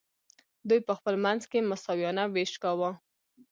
دوی په خپل منځ کې مساویانه ویش کاوه.